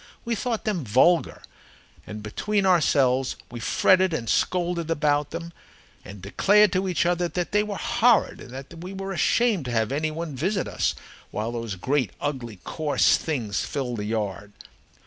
We thought them vulgar, and between ourselves we fretted and scolded about them and declared to each other that they were horrid, and that we were ashamed to have any one visit us while those great, ugly, coarse things filled the yard.